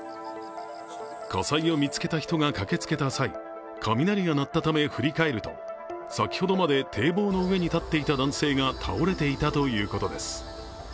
火災を見つけた人が駆けつけた際雷が鳴ったため、振り返ると先ほどまで堤防の上に立っていた男性が倒れていたということです。